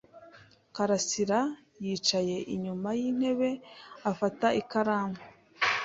Karasirayicaye inyuma yintebe afata ikaramu.